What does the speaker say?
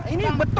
ini betul gak